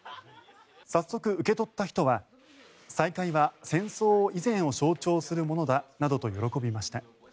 早速受け取った人は再開は戦争以前を象徴するものだなどと喜びました。